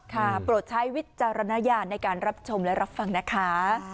โปรดใช้วิจารณญาณในการรับชมและรับฟังนะคะ